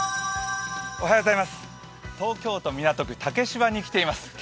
東京都港区竹芝に来ています。